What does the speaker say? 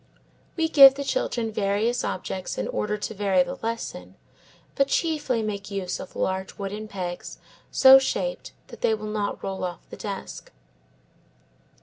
We give the children various objects in order to vary the lesson, but chiefly make use of large wooden pegs so shaped that they will not roll off the desk.